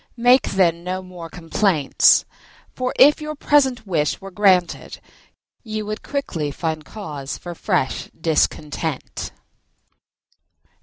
Make, then, no more complaints. For, if your present wish were granted, you would quickly find cause for fresh discontent."